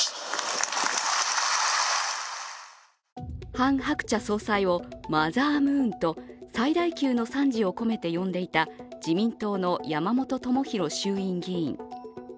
ハン・ハクチャ総裁をマザームーンと最大級の賛辞を込めて呼んでいた自民党の山本朋広衆院議員。